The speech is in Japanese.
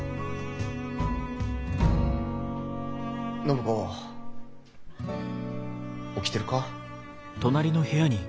・暢子起きてるか？